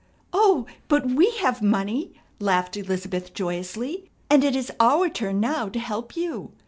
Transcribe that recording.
"Oh, but we have money," laughed Elizabeth joyously, "and it is our turn now to help you.